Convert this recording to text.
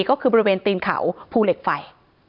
ก็คือบริเวณตีนเขาภูเหล็กไฟ